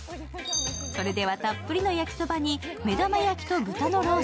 それでは、たっぷりの焼きそばに目玉焼きと豚のロース。